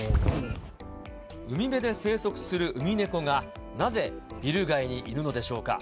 海辺で生息するウミネコが、なぜビル街にいるのでしょうか。